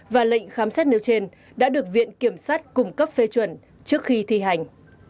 và lệnh khám xét nêu trên đã được viện kiểm sát cung cấp phê chuẩn trước khi thi hành